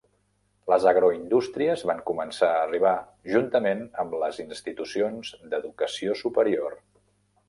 Les agroindústries van començar a arribar juntament amb les institucions d'educació superior.